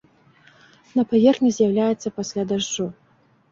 На паверхні з'яўляецца пасля дажджу.